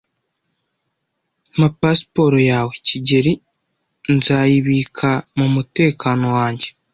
Mpa pasiporo yawe, kigeli. Nzayibika mu mutekano wanjye.